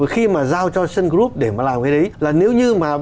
khi mà giao cho sun group để mà làm cái đấy là nếu như mà